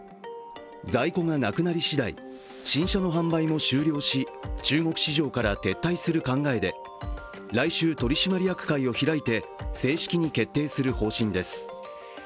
在庫がなくなりしだい、新車の販売も停止し、中国市場から撤退する考えで来週、取締役会を開いて正式に決定する方針です。